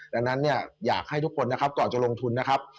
ดังนั้นเนี่ยอยากให้ทุกคนนะครับก่อนจะลงทุนนะครับ